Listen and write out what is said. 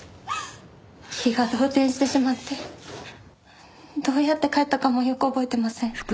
気が動転してしまってどうやって帰ったかもよく覚えてません。